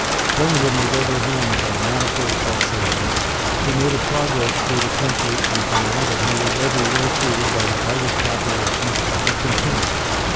Clarendon was overwhelmed by manifold vexations. He made a progress through the country, and found that he was everywhere treated by the Irish population with contempt.